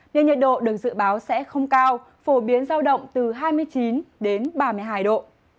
nên nhiệt độ được dự báo sẽ không cao phổ biến giao động từ hai mươi chín đến ba mươi hai độ